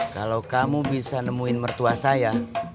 kalau kamu bisa nemuin mertua saya